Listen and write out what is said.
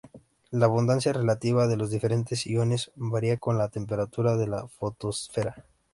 La abundancia relativa de los diferentes iones varía con la temperatura de la fotosfera.